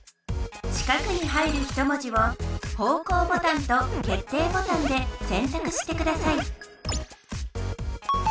四角に入る一文字を方向ボタンと決定ボタンで選択してください